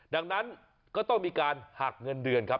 ดังนั้นก็ต้องมีการหักเงินเดือนครับ